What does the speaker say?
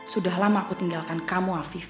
sudah lama aku tinggalkan kamu afif